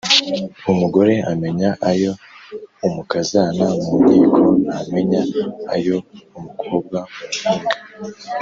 Umugore amenya ayo umukazana mu nkiko, ntamenya ayo umukobwa mu mpinga.